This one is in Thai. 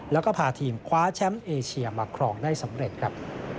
แล้วก็พาทีมคว้าแชมป์เอเชียมาครองได้สำเร็จครับ